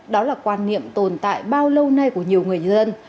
đó là quan niệm tồn tại bao lâu nay của nhiều người dân